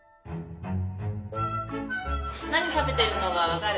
何食べてるのかわかる？